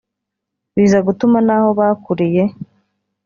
biza gutuma naho bakuriye